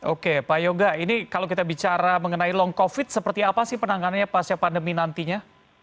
oke pak yoga ini kalau kita bicara mengenai long covid seperti apa sih penanganannya pasca pandemi nantinya